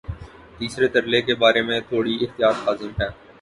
تیسرے ترلے کے بارے میں تھوڑی احتیاط لازم ہے۔